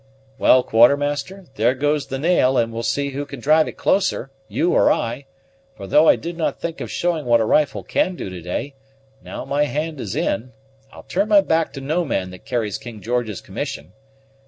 "Well, Quartermaster, there goes the nail and we'll see who can drive it closer, you or I; for, though I did not think of showing what a rifle can do to day, now my hand is in, I'll turn my back to no man that carries King George's commission.